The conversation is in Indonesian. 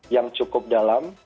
yang cukup dalam